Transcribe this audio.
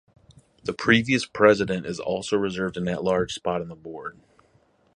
The previous President is also reserved an "At Large" spot on the board.